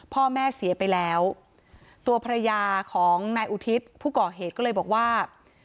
พ่อแม่เสียไปแล้วตัวภรรยาของนายอุทิศผู้ก่อเหตุก็เลยบอกว่า